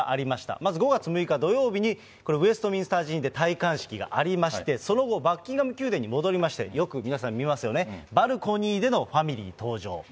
まず５月６日土曜日にこれ、ウェストミンスター寺院で戴冠式がありまして、その後バッキンガム宮殿に戻りまして、よく皆さん見ますよね、バルコニーでのファミリー登場。